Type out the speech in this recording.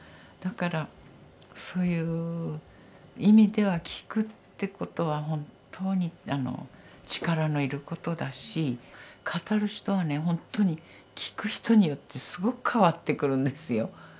だからそういう意味では「きく」ってことは本当に力の要ることだし語る人はねほんとにきく人によってすごく変わってくるんですよ。